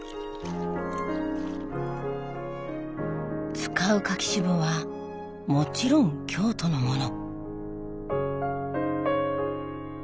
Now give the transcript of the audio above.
使う柿渋はもちろん京都のもの。